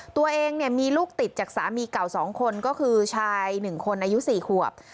ตัวเองมีลูกติดจากสามีเก่า๒คนก็คือชาย๑คนอายุ๔ขวบ